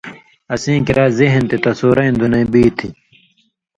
اسیں کریا ذہن تے تصورَیں دُنئ بی تھی،